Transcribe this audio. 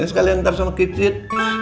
ya udah lu kenalin aja ntar sama kicit